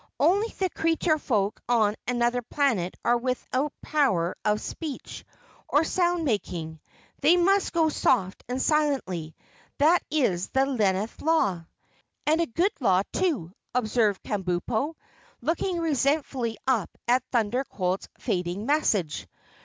"Only the creature folk on Anuther Planet are without power of speech or sound making. They must go soft and silently. That is the lenith law." "And a good law, too," observed Kabumpo, looking resentfully up at the Thunder Colt's fading message.